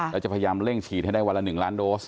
แล้วจะพยายามเร่งฉีดให้ได้วันละ๑ล้านโดส